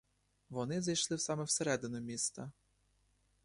Вони зайшли саме в середину міста.